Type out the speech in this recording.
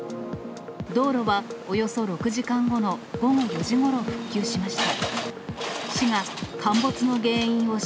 道路はおよそ６時間後の午後４時ごろ復旧しました。